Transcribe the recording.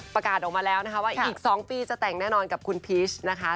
ประกาศออกมาแล้วนะคะว่าอีก๒ปีจะแต่งแน่นอนกับคุณพีชนะคะ